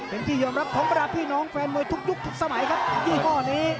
เป็นที่ยอมรับของประดาษพี่น้องแฟนมวยทุกยุคทุกสมัยครับยี่ห้อนี้